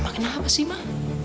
mama kenapa sih ma